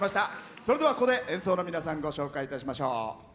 それでは、ここで演奏の皆さんご紹介いたしましょう。